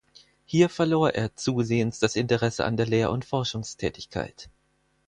Hier verlor er zusehends das Interesse an der Lehr- und Forschungstätigkeit.